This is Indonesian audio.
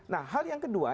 nah hal yang kedua